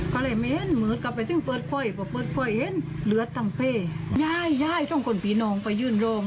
พร้อมในนี้เนี่ย